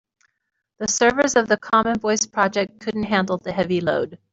The servers of the common voice project couldn't handle the heavy load.